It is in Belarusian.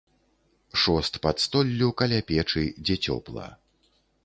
Шост пад столлю, каля печы, дзе цёпла.